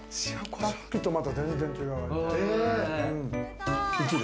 さっきと全然違う。